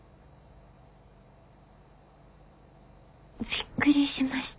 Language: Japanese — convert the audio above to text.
びっくりしました。